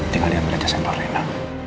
tinggal dia belajar sampel rena